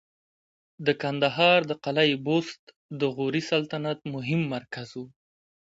د کندهار د قلعه بست د غوري سلطنت مهم مرکز و